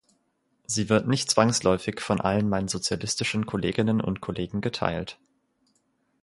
Sie wird nicht zwangsläufig von allen meinen sozialistischen Kolleginnen und Kollegen geteilt.